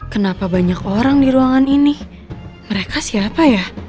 kenapa banyak orang di ruangan ini mereka siapa ya